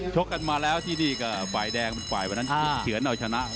ชกกันมาแล้วที่นี่กับรลายแดงวันนั้นเฉียนเราจะชนะ